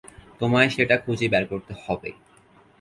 তোমায় সেটা খুঁজে বের করতে হবে।